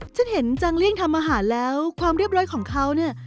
ฉันเห็นจังเลี่ยงทำอาหารแล้วความเรียบร้อยของเขาเนี่ย